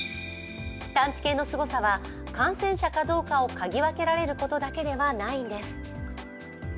探知犬のすごさは、感染者かどうかをかぎわけられるだけではないんです。